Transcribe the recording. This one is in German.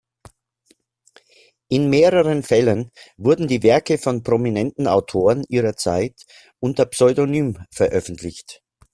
In mehreren Fällen wurden die Werke von prominenten Autoren ihrer Zeit unter Pseudonym veröffentlicht.